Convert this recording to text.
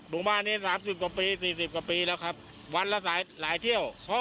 หมู่บ้านนี้๓๐กว่าปี๔๐กว่าปีแล้วครับวันละหลายเที่ยว